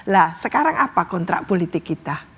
nah sekarang apa kontrak politik kita